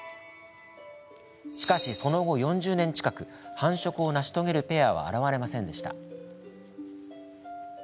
しかし、その後４０年近く繁殖を成し遂げるペアは現れませんでした。